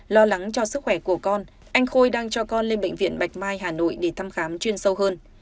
lo lắng cho sức khỏe của con anh khôi đang cho con lên bệnh viện bạch mai hà nội để thăm khám chuyên sâu hơn